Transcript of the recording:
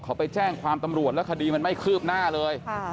เขาไปแจ้งความตำรวจแล้วคดีมันไม่คืบหน้าเลย